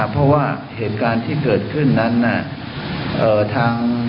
เพราะว่าเหตุการณ์ที่เกิดขึ้นนั้น